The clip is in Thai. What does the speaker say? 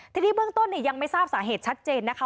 ทีนี้เบื้องต้นยังไม่ทราบสาเหตุชัดเจนนะคะ